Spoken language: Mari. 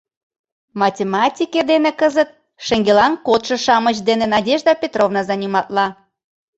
Математике дене кызыт шеҥгелан кодшо-шамыч дене Надежда Петровна заниматла.